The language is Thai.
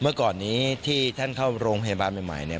เมื่อก่อนที่ท่านเข้าโรงพยาบาลแม่มายนี่